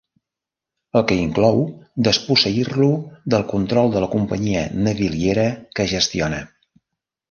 El que inclou desposseir-lo del control de la companyia naviliera que gestiona.